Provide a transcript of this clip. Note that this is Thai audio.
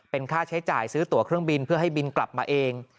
เป็นค่าใช้จ่ายซื้อตัวเครื่องบินเพื่อให้บินกลับมาเอง